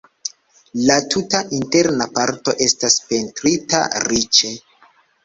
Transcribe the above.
La tuta interna parto estas pentrita riĉe.